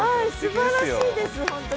すばらしいです本当。